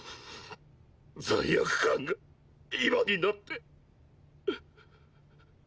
罪悪感が今になって。